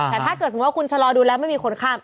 แต่ถ้าเกิดสมมุติว่าคุณชะลอดูแล้วไม่มีคนข้าม